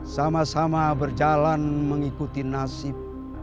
sama sama berjalan mengikuti nasib